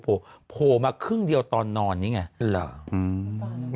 โผล่มาครึ่งเดียวตอนนอนไง